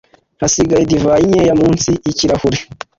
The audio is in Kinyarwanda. Hasigaye divayi nkeya munsi yikirahure.